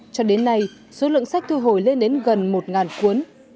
cho đến nay số lượng sách thu hồi lên đến gần một cuốn